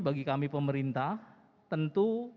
bagi kami pemerintah tentu